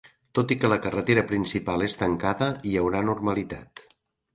Tot i que la carretera principal és tancada, hi haurà normalitat.